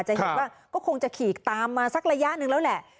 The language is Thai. จะเห็นว่าก็คงจะขี่ตามมาสักระยะหนึ่งแล้วแหละ